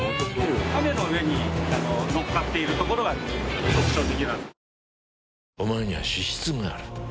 亀の上にのっかっているところが特徴的。